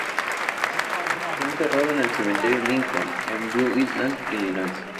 Fue enterrado en el cementerio Lincoln, en Blue Island, Illinois.